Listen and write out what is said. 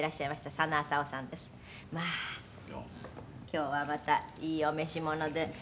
「今日はまたいいお召し物で」